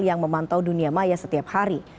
yang memantau dunia maya setiap hari